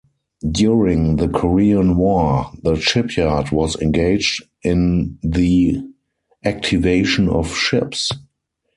During the Korean War, the shipyard was engaged in the activation of ships.